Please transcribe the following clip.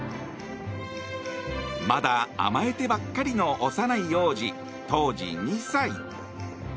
まだ甘えてばっかりの幼い王子当時２歳。